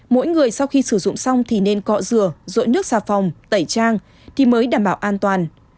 mỗi người sau khi sử dụng xong thì nên cọ dừa rội nước xà phòng tẩy trang thì mới đảm bảo an toàn